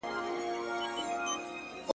اوږۍ تور ټیکرای په سر کړو او ښونځې ته روانه سوه.